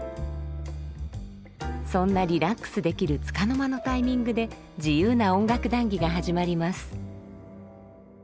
そんなリラックスできるつかの間のタイミングで自由な音楽談議が始まります。